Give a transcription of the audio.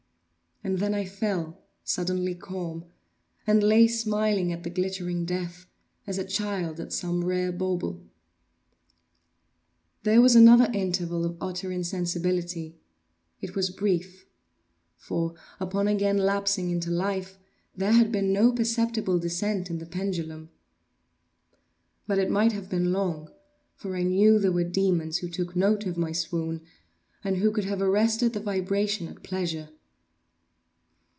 And then I fell suddenly calm, and lay smiling at the glittering death, as a child at some rare bauble. There was another interval of utter insensibility; it was brief; for, upon again lapsing into life there had been no perceptible descent in the pendulum. But it might have been long; for I knew there were demons who took note of my swoon, and who could have arrested the vibration at pleasure.